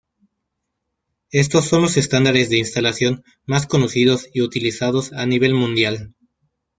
Estos son los estándares de instalación más conocidos y utilizados a nivel mundial.